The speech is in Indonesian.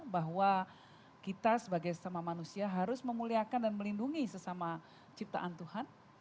bahwa kita sebagai sesama manusia harus memuliakan dan melindungi sesama ciptaan tuhan